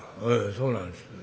「ええそうなんです。